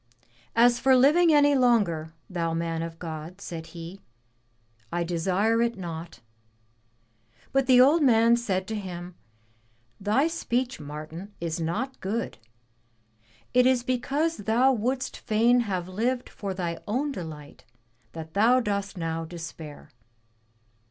As for living any longer, thou man of God,*' said he, I desire it not.'* But the old man said to him, *Thy speech, Martin, is not good. It is because thou wouldst fain have lived for thy own delight that thou dost now despair.'